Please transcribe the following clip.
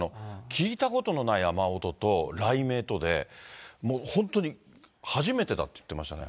聞いたことのない雨音と雷鳴とで、もう本当に初めてだって言ってましたね。